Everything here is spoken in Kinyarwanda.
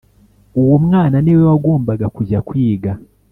uwo mwana niwe wagombaga kujya kwiga.